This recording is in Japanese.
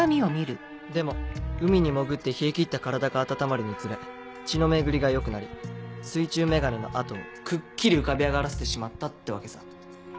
でも海に潜って冷え切った体が温まるにつれ血の巡りが良くなり水中メガネの痕をくっきり浮かび上がらせてしまったってわけさ。